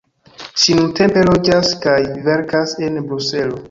Ŝi nuntempe loĝas kaj verkas en Bruselo.